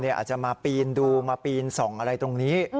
อาจจะมาปีนดูมาปีนส่องอะไรตรงนี้